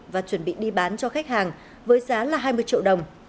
và chuẩn bị đi bán cho khách hàng với giá là hai mươi triệu đồng